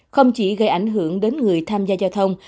không chỉ gây ảnh hưởng đến người tham gia giao thông